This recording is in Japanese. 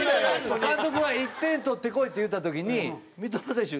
監督が１点取ってこいって言った時に三笘選手